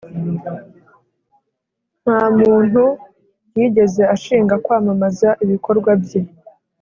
Nta muntu yigeze ashinga kwamamaza ibikorwa bye,